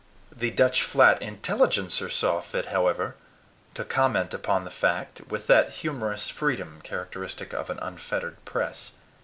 THE DUTCH FLAT INTELLIGENCER saw fit, however, to comment upon the fact with that humorous freedom characteristic of an unfettered press.